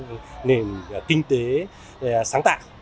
hướng tới một cái nền kinh tế sáng tạo